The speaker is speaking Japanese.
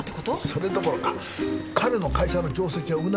それどころか彼の会社の業績はうなぎ登り。